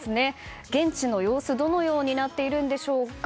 現地の様子はどのようになっているでしょうか。